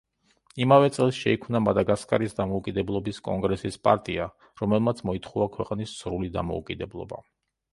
იმავე წელს შეიქმნა მადაგასკარის დამოუკიდებლობის კონგრესის პარტია, რომელმაც მოითხოვა ქვეყნის სრული დამოუკიდებლობა.